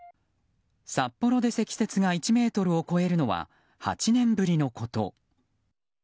札幌で積雪が１ｍを超えるのは８年ぶりのこと。